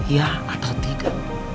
ya atau tiga